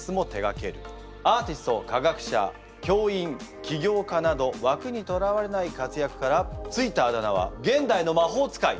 「アーティスト」「科学者」「教員」「起業家」などわくにとらわれない活躍から付いたあだ名は「現代の魔法使い」。